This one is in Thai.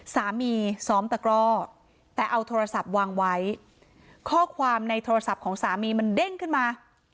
สามีซ้อมตะกร่อแต่เอาโทรศัพท์วางไว้ข้อความในโทรศัพท์ของสามีมันเด้งขึ้นมา